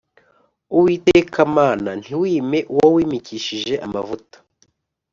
uwiteka mana, ntiwime uwo wimikishije amavuta;